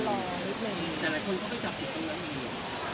แต่หลายคนเข้าไปจับอีกส่วนหนังอีกนึง